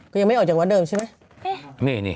ก็ยังไม่ออกจากวัดเดิมใช่ไหม